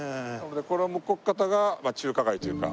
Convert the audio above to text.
この向こう方が中華街というか。